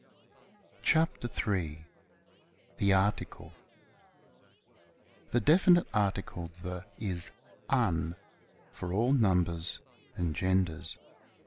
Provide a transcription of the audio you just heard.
CHAPTER III THE ARTICLE i. THE definite article the is an, for all numbers and genders.